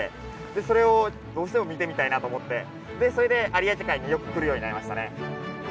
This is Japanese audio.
それをどうしても見てみたいなと思ってそれで有明海によく来るようになりましたね。